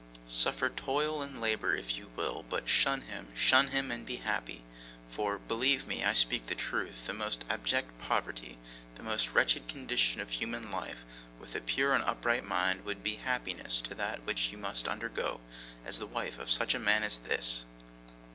Suffer toil and labour if you will, but shun him, shun him, and be happy. For, believe me, I speak the truth; the most abject poverty, the most wretched condition of human life, with a pure and upright mind, would be happiness to that which you must undergo as the wife of such a man as this!